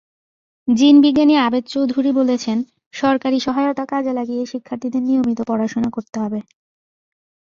জিনবিজ্ঞানী আবেদ চৌধুরী বলেছেন, সরকারি সহায়তা কাজে লাগিয়ে শিক্ষার্থীদের নিয়মিত পড়াশোনা করতে হবে।